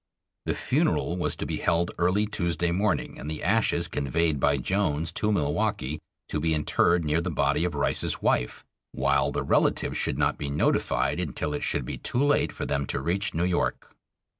The funeral was to be held early Tuesday morning and the ashes conveyed by Jones to Milwaukee, to be interred near the body of Rice's wife, while the relatives should not be notified until it should be too late for them to reach New York.